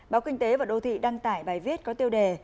báo kinh tế và đô thị đăng tải bài viết có tiêu đề